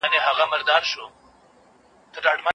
په قلم لیکنه کول د منفي انرژی د وتلو لاره ده.